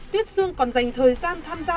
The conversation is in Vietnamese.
tuyết xương còn dành thời gian tham gia